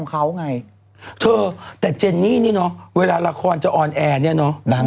เขาไงเธอแต่เจนนี่นี่เนอะเวลาละครจะออนแอร์เนี่ยเนอะดัง